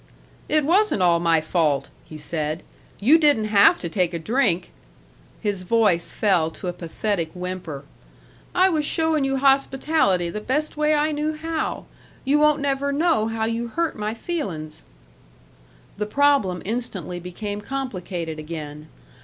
"It wasn't all my fault," he said. "You didn't have to take a drink." His voice fell to a pathetic whimper. "I was showing you hospitality the best way I knew how. You won't never know how you hurt my feelin's." The problem instantly became complicated again.